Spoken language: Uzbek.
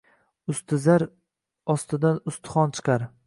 Usti — zar, ostidan ustixon chiqar.